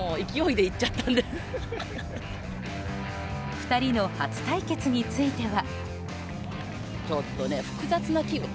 ２人の初対決については。